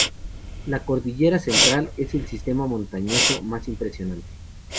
La Cordillera Central, es el sistema montañoso más impresionante.